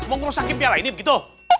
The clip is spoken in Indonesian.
mau ngerusakin piala ini begitu